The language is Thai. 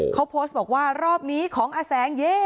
เขาโพสต์บอกว่ารอบนี้ของอแสงเย่